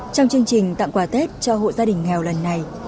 trong chương trình tặng quà tết cho hộ gia đình nghèo lần này